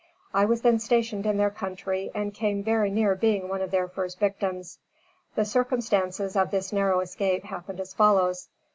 I was then stationed in their country and came very near being one of their first victims. The circumstances of this narrow escape happened as follows.